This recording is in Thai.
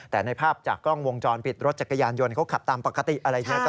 แต่ในภาพจากกล้องวงจรปิดรถจักรยานยนต์เขาขับตามปกติอะไรอย่างนี้